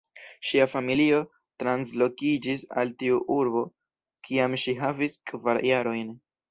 Ŝia familio translokiĝis al tiu urbo kiam ŝi havis kvar jarojn.